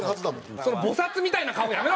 その菩薩みたいな顔やめろ！